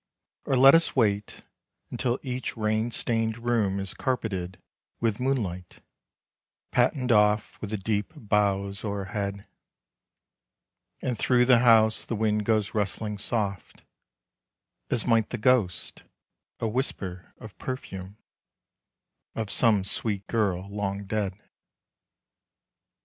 Or let us wait until each rain stained room Is carpeted with moonlight, pattened oft With the deep boughs o'erhead; And through the house the wind goes rustling soft, As might the ghost a whisper of perfume Of some sweet girl long dead.